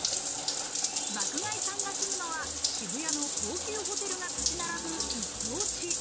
爆買いさんが住むのは渋谷の高級ホテルが建ち並ぶ一等地。